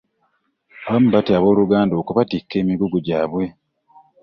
abamu batya abooluganda okubattikka emigugu gyabwe.